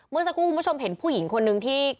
เมื่อสักครู่คุณผู้ชมเห็นผู้หญิงคนนึงที่